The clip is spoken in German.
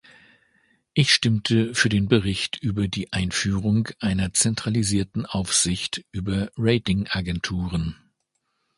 Ich stimmte für den Bericht über die Einführung einer zentralisierten Aufsicht über Ratingagenturen.